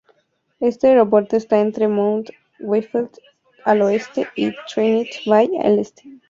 Este aeropuerto está entre Mount Whitfield al oeste y Trinity Bay al este.